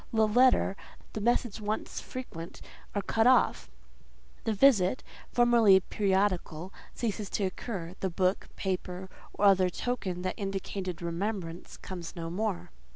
The letter, the message once frequent, are cut off; the visit, formerly periodical, ceases to occur; the book, paper, or other token that indicated remembrance, comes no more.